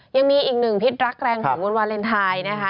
ยังมีอีกหนึ่งพิษรักแรงของวันวาเลนไทยนะคะ